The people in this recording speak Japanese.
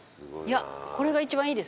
いやこれが一番いいですね。